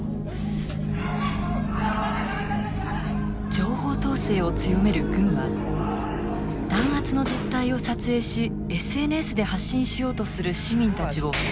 情報統制を強める軍は弾圧の実態を撮影しＳＮＳで発信しようとする市民たちを狙い撃ち。